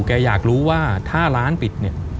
อยากรู้ว่าถ้าร้านปิดเนี่ย